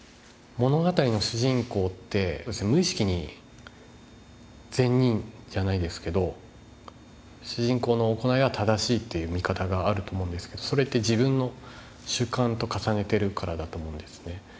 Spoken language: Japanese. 物語の主人公って無意識に善人じゃないですけど主人公の行いが正しいって見方があると思うんですけどそれって自分の主観と重ねてるからだと思うんですね。